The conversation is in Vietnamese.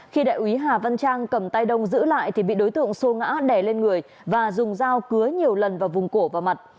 khi đại úy hà văn trang cầm tay đông giữ lại thì bị đối tượng xô ngã đè lên người và dùng dao cứa nhiều lần vào vùng cổ và mặt